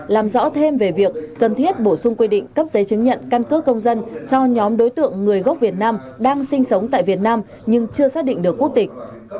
làm rõ thêm về việc cần thiết bổ sung quy định cấp giấy chứng nhận căn cước công dân cho nhóm đối tượng người gốc việt nam đang sinh sống tại việt nam nhưng chưa xác định được quốc tịch